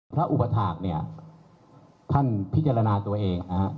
พระอุปฐาคเนี่ยท่านพิจารณาตัวเองนะครับ